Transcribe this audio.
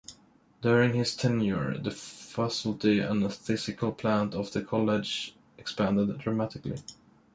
During his tenure, the faculty and physical plant of the college expanded dramatically.